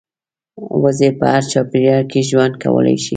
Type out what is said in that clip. وزې په هر چاپېریال کې ژوند کولی شي